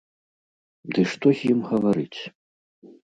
Ды што з ім гаварыць.